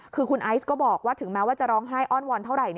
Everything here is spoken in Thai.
คือคุณไอซ์ก็บอกว่าถึงแม้ว่าจะร้องไห้อ้อนวอนเท่าไหร่